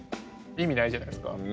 意味ないじゃないですか。